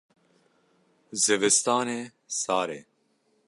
Zivistan e sar e.